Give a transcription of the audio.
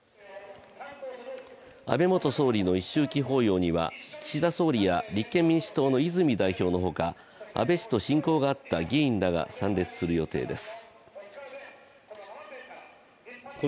安倍元総理の一周忌法要には岸田総理や立憲民主党の泉代表のほか安倍氏と親交があった議員らが参列する予定です。